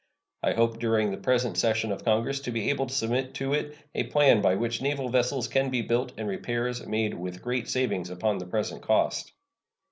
I hope during the present session of Congress to be able to submit to it a plan by which naval vessels can be built and repairs made with great saving upon the present cost.